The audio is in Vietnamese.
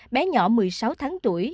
bé nhỏ một mươi sáu tháng tuổi